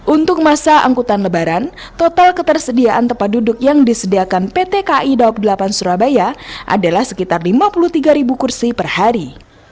untuk masa angkutan lebaran total ketersediaan tempat duduk yang disediakan pt kai daob delapan surabaya adalah sekitar lima puluh tiga kursi per hari